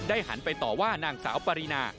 หันไปต่อว่านางสาวปรินา